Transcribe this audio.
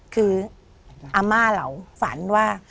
คืออาม่าเราฝันว่า